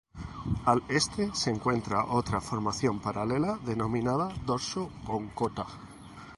Al este se encuentra otra formación paralela denominada Dorso von Cotta.